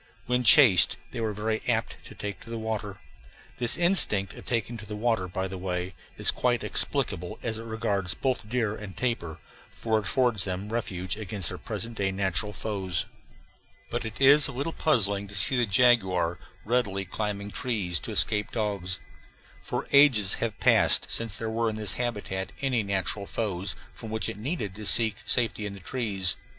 When chased they were very apt to take to the water. This instinct of taking to the water, by the way, is quite explicable as regards both deer and tapir, for it affords them refuge against their present day natural foes, but it is a little puzzling to see the jaguar readily climbing trees to escape dogs; for ages have passed since there were in its habitat any natural foes from which it needed to seek safety in trees.